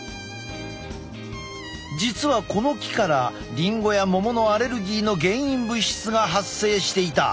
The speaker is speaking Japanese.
実はこの木からリンゴやモモのアレルギーの原因物質が発生していた。